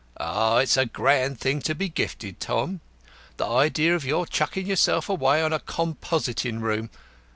Ah, it's a grand thing to be gifted, Tom. The idea of your chuckin' yourself away on a composin' room!